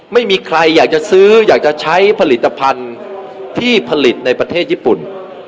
ไม่มีใครอยากจะซื้ออยากจะใช้ผลิตภัณฑ์ที่ผลิตในประเทศญี่ปุ่น